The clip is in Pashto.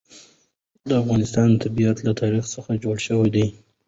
د افغانستان طبیعت له تاریخ څخه جوړ شوی دی.